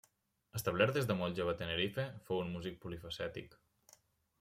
Establert des de molt jove a Tenerife, fou un músic polifacètic.